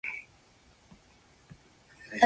仰いで天文を見、うつむいて地理を知ること。